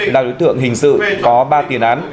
là đối tượng hình sự có ba tiền án